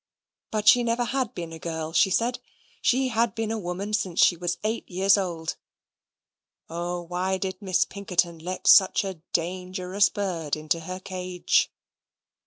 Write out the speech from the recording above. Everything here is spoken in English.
But she never had been a girl, she said; she had been a woman since she was eight years old. Oh, why did Miss Pinkerton let such a dangerous bird into her cage?